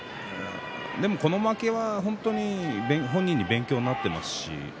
でも、この負けは本人の勉強になっています。